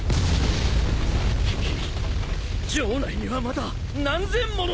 くっ城内にはまだ何千もの